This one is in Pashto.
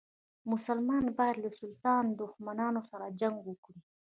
مسلمان باید له سلطان له دښمنانو سره جنګ وکړي.